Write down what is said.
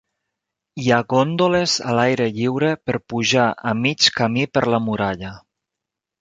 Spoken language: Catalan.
Hi ha góndoles a l'aire lliure per pujar a mig camí per la muralla.